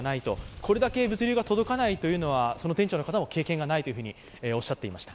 これだけ物流が届かないというのは、その店長の方も経験がないと話していました。